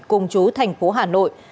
cùng chú thành phố hà nội